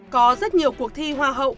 có rất nhiều cuộc thi hoa hậu